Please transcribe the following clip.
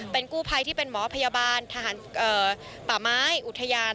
เป็นกู้ภัยที่เป็นหมอพยาบาลทหารป่าไม้อุทยาน